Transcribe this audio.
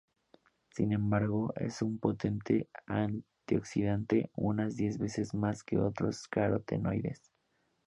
Sin embargo, es un potente antioxidante; unas diez veces más que otros carotenoides.